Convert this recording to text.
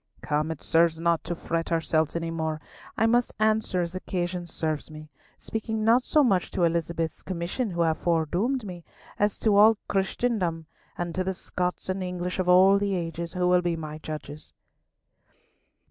Come, it serves not to fret ourselves any more. I must answer as occasion serves me; speaking not so much to Elizabeth's Commission, who have foredoomed me, as to all Christendom, and to the Scots and English of all ages, who will be my judges."